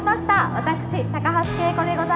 私高橋佳子でございます。